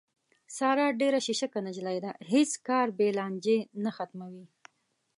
ساره ډېره شیشکه نجیلۍ ده، هېڅ کار بې له لانجې نه ختموي.